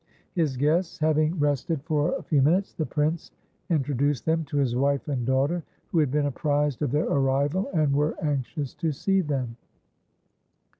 His guests having rested for a few minutes, the prince introduced them to his wife and daughter, who had been apprised of their arrival, and were anxious to see them.